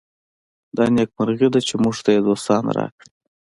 دا نېکمرغي ده چې موږ ته یې دوستان راکړي.